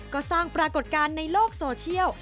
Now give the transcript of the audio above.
ก็สร้างปรากฏการณ์ในโลกโซเชียล